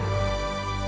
aku sangat rindukan ibu